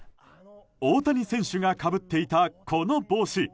大谷選手がかぶっていたこの帽子。